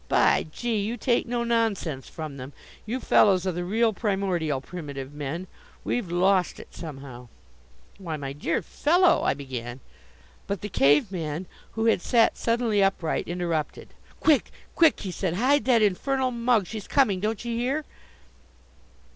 By gee! You take no nonsense from them you fellows are the real primordial, primitive men. We've lost it somehow." "Why, my dear fellow " I began. But the Cave man, who had sat suddenly upright, interrupted. "Quick! quick!" he said. "Hide that infernal mug! She's coming. Don't you hear!"